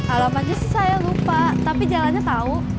alamannya sih saya lupa tapi jalannya tahu